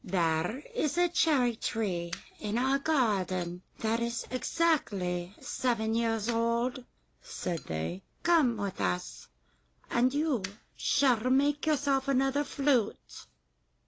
'There is a cherry tree in our garden that is exactly seven years old,' said they. 'Come with us, and you shall make yourself another flute.